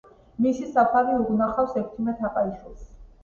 მისი საფლავი უნახავს ექვთიმე თაყაიშვილს.